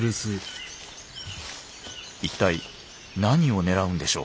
一体何を狙うんでしょう？